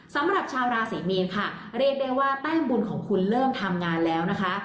สำหรับชาวราศรีมีนค่ะเรียกได้ว่าแต้มบุญของคุณเลิกทำงานแล้วนะคะ